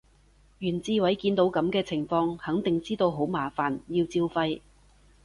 袁志偉見到噉嘅情況肯定知道好麻煩，要照肺